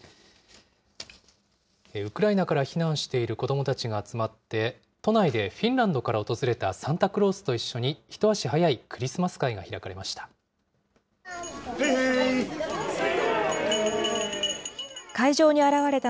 ウクライナから避難している子どもたちが集まって、都内でフィンランドから訪れたサンタクロースと一緒に、一足早いクリスマス会が開かれました。